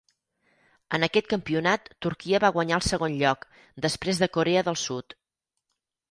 En aquest campionat, Turquia va guanyar el segon lloc després de Corea del Sud.